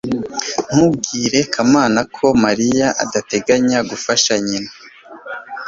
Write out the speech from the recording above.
ntubwire kamana ko mariya adateganya gufasha nyina